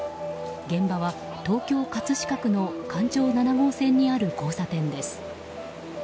現場は東京・葛飾区の環状７号線にある交差点です。